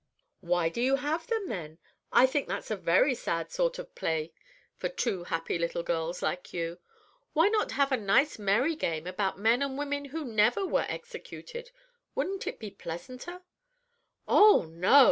"Why do you have them, then? I think that's a very sad sort of play for two happy little girls like you. Why not have a nice merry game about men and women who never were executed? Wouldn't it be pleasanter?" "Oh, no!